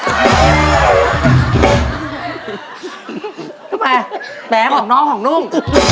ทำไมแป๋ของน้องของนุ่ง